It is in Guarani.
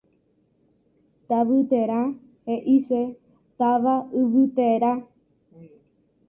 Tavyterã heʼise “táva yvyteerã”.